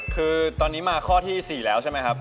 คือตอนนี้มาข้อที่๔แล้วใช่ไหมครับ